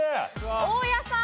大家さん。